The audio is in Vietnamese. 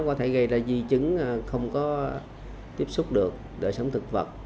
có thể gây ra di chứng không có tiếp xúc được đời sống thực vật